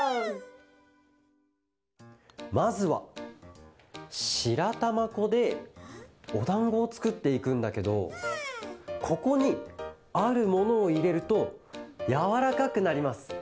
まずはしらたまこでおだんごをつくっていくんだけどここにあるものをいれるとやわらかくなります。